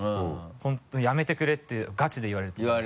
「本当にやめてくれ」ってガチで言われると思います。